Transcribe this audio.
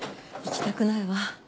行きたくないわ。